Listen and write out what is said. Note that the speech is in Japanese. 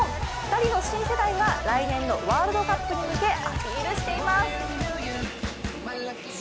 ２人の新世代が来年のワールドカップに向けアピールしています。